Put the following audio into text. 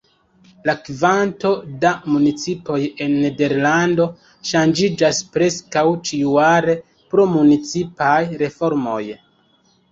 La kvanto da municipoj en Nederlando ŝanĝiĝas preskaŭ ĉiujare pro municipaj reformoj.